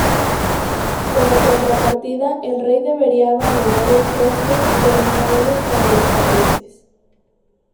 Como contrapartida, el rey debería abonar el coste de los modelos para los tapices.